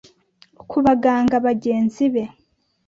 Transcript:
ku baganga bagenzi be